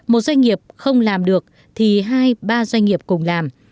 một doanh nghiệp không làm được thì hai ba doanh nghiệp cùng làm